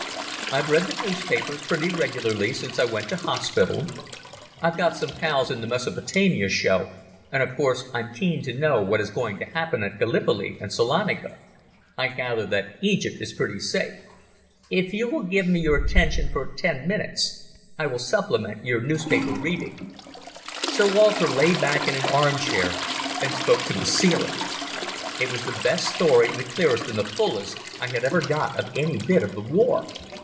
"I've read the newspapers pretty regularly since I went to hospital. I've got some pals in the Mesopotamia show, and of course I'm keen to know what is going to happen at Gallipoli and Salonika. I gather that Egypt is pretty safe." "If you will give me your attention for ten minutes I will supplement your newspaper reading." Sir Walter lay back in an arm chair and spoke to the ceiling. It was the best story, the clearest and the fullest, I had ever got of any bit of the war.